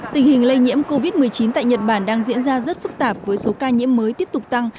tình hình lây nhiễm covid một mươi chín tại nhật bản đang diễn ra rất phức tạp với số ca nhiễm mới tiếp tục tăng